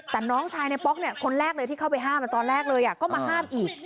แต่น้องชายในป๊อกเนี่ยคนแรกเลยที่เข้าไปห้ามตอนแรกเลยก็มาห้ามอีก